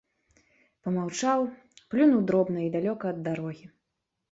Памаўчаў, плюнуў дробна і далёка ад дарогі.